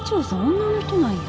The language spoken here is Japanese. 女の人なんや。